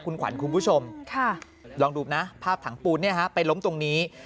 คุณขวัญคุณผู้ชมลองดูนะภาพถังปูนไปล้มตรงนี้